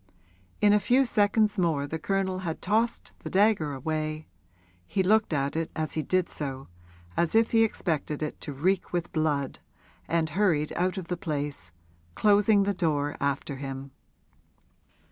In a few seconds more the Colonel had tossed the dagger away he looked at it as he did so, as if he expected it to reek with blood and hurried out of the place, closing the door after him.